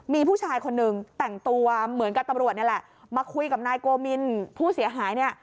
มีผู้ชายคนหนึ่งแต่งตัวเหมือนกับตำรวจนี่แหละมาคุยกับนายโกมินผู้เสียหายเนี่ย